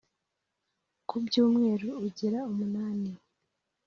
Ku byumweru ugira umunani